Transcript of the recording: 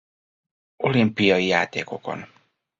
Olimpiai Játékokon.